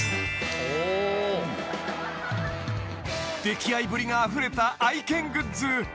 ［溺愛ぶりがあふれた愛犬グッズ］